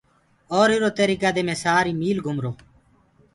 اور اِرو تريڪآ دي مي سآري ميٚل گُمرو۔